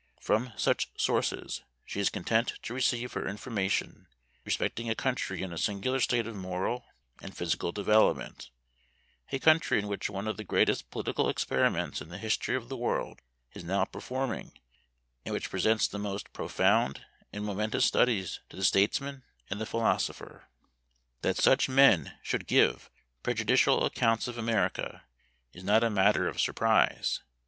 From such sources she is content to receive her information respecting a country in a singular state of moral and physical development; a country in which one of the greatest political experiments in the history of the world is now performing; and which presents the most profound and momentous studies to the statesman and the philosopher. That such men should give prejudicial accounts of America, is not a matter of surprise.